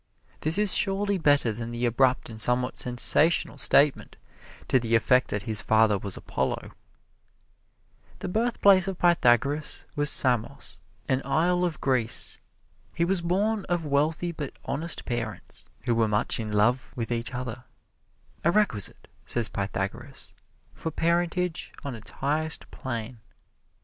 This is surely better than the abrupt and somewhat sensational statement to the effect that his father was Apollo. The birthplace of Pythagoras was Samos, an isle of Greece. He was born of wealthy but honest parents, who were much in love with each other a requisite, says Pythagoras, for parentage on its highest plane.